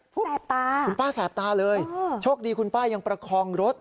แสบตาคุณป้าแสบตาเลยโชคดีคุณป้ายังประคองรถ